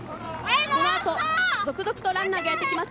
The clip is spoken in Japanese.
この後、続々とランナーがやってきます。